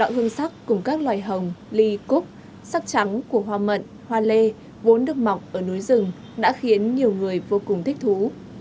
hương sắc cùng các loài hồng ly cúc sắc trắng của hoa mận hoa lê vốn được mọc ở núi rừng đã khiến nhiều người vô cùng thích thú